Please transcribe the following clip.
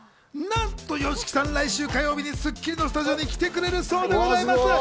なんとＹＯＳＨＩＫＩさん、来週火曜日に『スッキリ』のスタジオに来てくれるそうですよ。